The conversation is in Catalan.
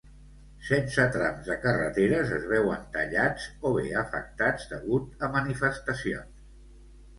Setze trams de carreteres es veuen tallats o bé afectats degut a manifestacions.